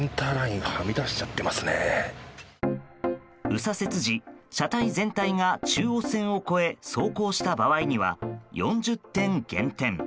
右左折時、車体全体が中央線を越え走行した場合には４０点減点。